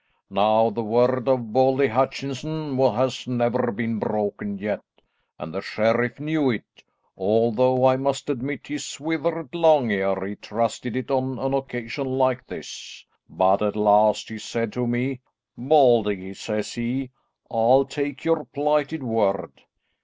Now, the word of Baldy Hutchinson has never been broken yet, and the sheriff knew it, although I must admit he swithered long ere he trusted it on an occasion like this. But at last he said to me, 'Baldy,' says he, 'I'll take your plighted word.